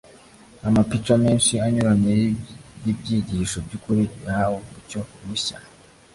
Amapica menshi anyuranye y'ibyigisho by'ukuri yahawe umucyo mushya.